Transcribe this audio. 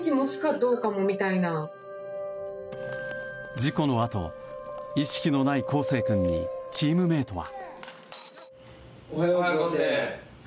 事故のあと意識のない孝成君にチームメートは。